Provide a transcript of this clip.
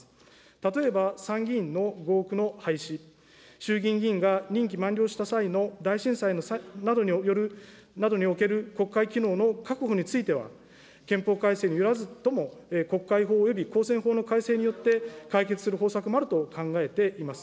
例えば参議院の合区の廃止、衆議院議員が任期満了した際の大震災などによる、などにおける国会機能の確保については、憲法改正によらずとも、国会法及び公選法の改正によって、解決する方策もあると考えています。